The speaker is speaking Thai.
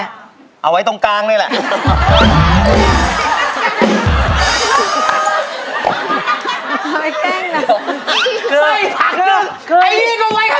จะไว้ตรงกลางเลยร้ะค่ะ